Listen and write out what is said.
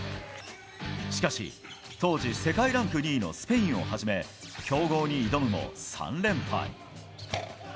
しかし、当時、世界ランク２位のスペインをはじめ、強豪に挑むも３連敗。